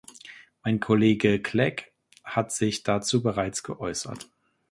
Mein Kollege Clegg hat sich dazu bereits geäußert.